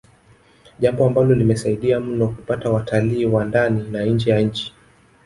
Jambo ambalo limesaidia mno kupata watalii wa ndani na nje ya nchi